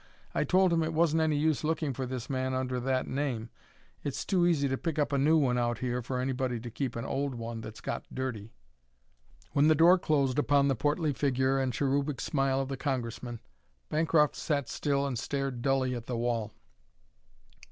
I told him it wasn't any use looking for his man under that name it's too easy to pick up a new one out here for anybody to keep an old one that's got dirty." When the door closed upon the portly figure and cherubic smile of the Congressman, Bancroft sat still and stared dully at the wall.